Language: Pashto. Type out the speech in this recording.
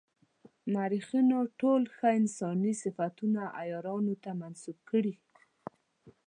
مورخینو ټول ښه انساني صفتونه عیارانو ته منسوب کړي.